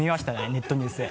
ネットニュースで。